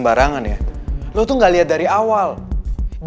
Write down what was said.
pernah kok tukang kacang erika itu